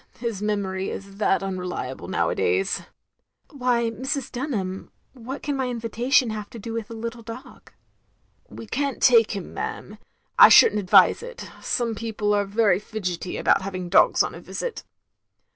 His memory is that tmreliable nowadays.'* "Why, Mrs. Dunham, what can my invitation have to do with the Uttle dog? "" We can't take him, ma'am. I should n't advise it. Some people are very fidgetty about having dogs on a visit.